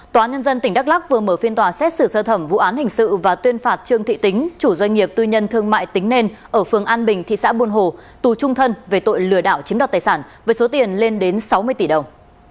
tòa nhân dân tỉnh đắk lắc vừa mở phiên tòa xét xử sơ thẩm vụ án hình sự và tuyên phạt trương thị tính chủ doanh nghiệp tư nhân thương mại tính nên ở phường an bình thị xã buôn hồ tù trung thân về tội lừa đảo chiếm đoạt tài sản với số tiền lên đến sáu mươi tỷ đồng